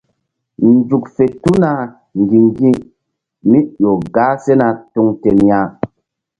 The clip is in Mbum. Nzuk tuna ŋgi̧ŋgi̧mí ƴo gah sena tuŋ ten ya.